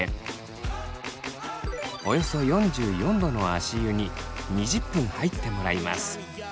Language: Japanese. およそ４４℃の足湯に２０分入ってもらいます。